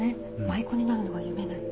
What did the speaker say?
舞妓になるのが夢なの。